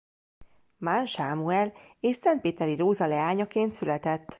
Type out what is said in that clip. Maán Sámuel és Szentpéteri Róza leányaként született.